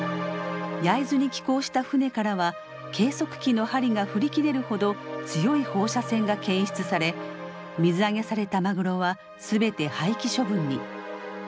焼津に帰港した船からは計測器の針が振り切れるほど強い放射線が検出され水揚げされたマグロは全て廃棄処分に。